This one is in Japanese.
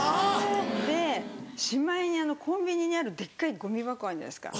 でしまいにコンビニにあるデッカいゴミ箱あるじゃないですか。